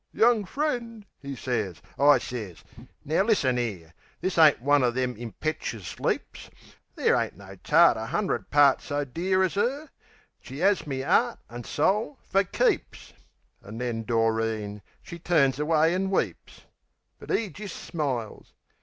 "Young friend," 'e sez I sez, "Now, listen 'ere: This isn't one o' them impetchus leaps. There ain't no tart a 'undreth part so dear As 'er. She 'as me 'eart an' soul fer keeps!" An' then Doreen, she turns away an' weeps; But 'e jist smiles.